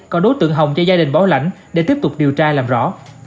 còn đối tượng hồng cho gia đình bảo lãnh để tiếp tục điều tra làm rõ